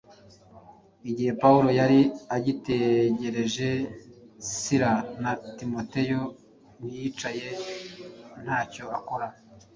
Igihe Pawulo yari agitegereje Sila na Timoteyo, ntiyicaye ntacyo akora.